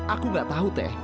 aku tidak tahu teh